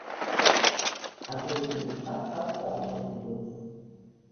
აგორებული ქვა ხავსს არ მოიკიდებს